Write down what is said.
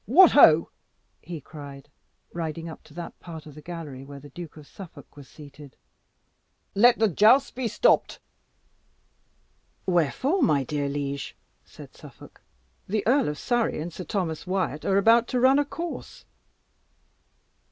What ho!" he cried, riding up to that part of the gallery where the Duke of Suffolk was seated "let the jousts be stopped!" "Wherefore, my dear liege?" said Suffolk. "The Earl of Surrey and Sir Thomas Wyat are about to run a course."